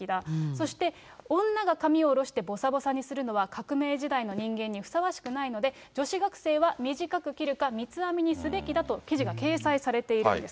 そして、女が髪を下ろしてぼさぼさにするのは、革命時代の人間にふさわしくないので、女子学生は短く切るか、三つ編みにすべきだと、記事が掲載されているんです。